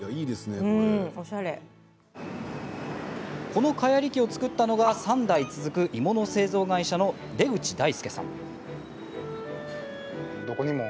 この蚊やり器を作ったのが３代続く鋳物製造会社の出口大介さん。